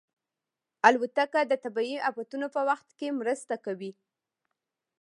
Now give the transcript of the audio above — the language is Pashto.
الوتکه د طبیعي افتونو په وخت مرسته کوي.